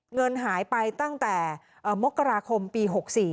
เงินหายไปตั้งแต่มกราคมปี๖๔